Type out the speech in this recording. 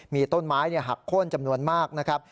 มีต้นไม้หักโค้นจำนวนมากนะครับ